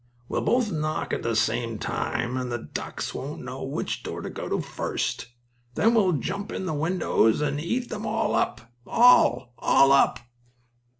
We'll both knock at the same time, and the ducks won't know which door to go to first. Then we'll jump in the windows and eat them all up all up up!